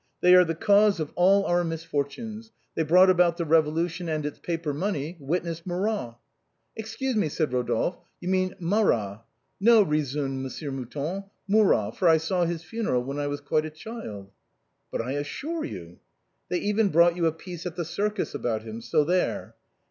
''They are thé cause of all our misfortunes ; they brought about the Eevo lution and its paper money, witness Murat." " Excuse me," said Eodolphe, " you mean Marat." 24 THE BOHEMIANS OF THE LATIN QUARTER. " No, no," resumed Monsieur Mouton ;" Murat, for I saw his funeral when I was quite a child —"" But I assure you —"" They even brought out a piece at the Circus about him, so there."